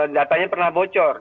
datanya pernah bocor